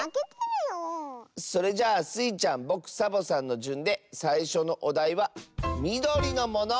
それじゃあスイちゃんぼくサボさんのじゅんでさいしょのおだいは「みどりのもの」！